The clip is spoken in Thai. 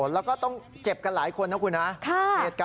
แล้วก็ต้องเจ็บกันหลายคนนะคุณฮะ